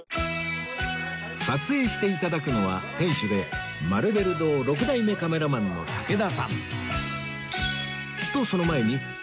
撮影して頂くのは店主でマルベル堂６代目カメラマンの武田さん